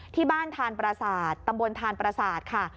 ที่บ้านธานปราศาสตร์ตำบลธานปราศาสตร์ค่ะ